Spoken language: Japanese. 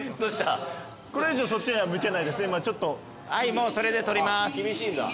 もうそれで撮ります。